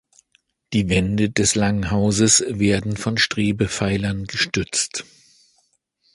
Die Wände des Langhauses werden von Strebepfeilern gestützt.